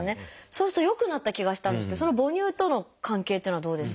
そうすると良くなった気がしたんですけど母乳との関係っていうのはどうですか？